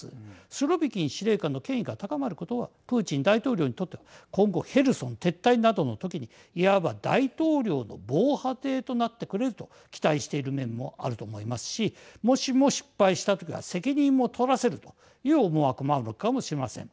スロビキン司令官の権威が高まることはプーチン大統領にとって今後ヘルソン撤退などの時にいわば大統領の防波堤となってくれると期待している面もあると思いますしもしも失敗した時は責任も取らせるという思惑もあるのかもしれません。